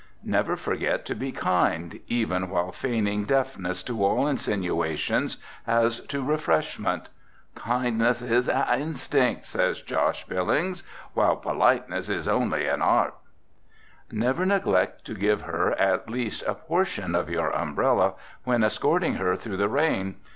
Never forget to be kind, even while feigning deafness to all insinuations as to refreshment. "Kindness iz an instinkt," says Josh Billings, "while politeness iz only an art." Never neglect to give her at least a portion of your umbrella, when escorting her through the rain.